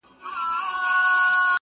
یو سړی وو خدای په ډېر څه نازولی,